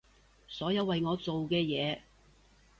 所有為我做嘅嘢